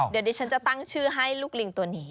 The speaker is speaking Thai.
เดี๋ยวดิฉันจะตั้งชื่อให้ลูกลิงตัวนี้